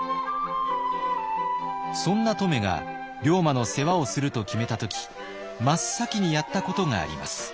そんな乙女が龍馬の世話をすると決めた時真っ先にやったことがあります。